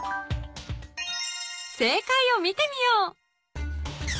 ［せいかいを見てみよう］